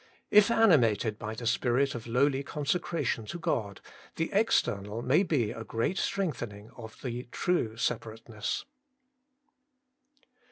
If animated by the spirit of lowly consecration to God, the external may be a great strengthening of the true separateness.